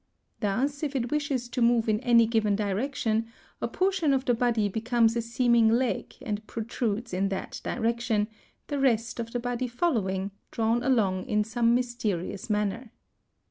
Thus if it wishes to move in any given direction, a portion of the body becomes a seeming leg and protrudes in that direction, the rest of the body following, drawn along in some mysterious manner.